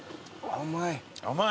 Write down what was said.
甘い。